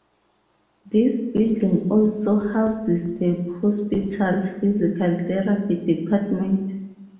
This building also houses the hospital's physical therapy department.